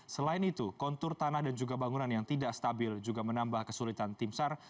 selain itu kontur tanah dan juga bangunan yang tidak stabil juga menambah kesulitan tim sar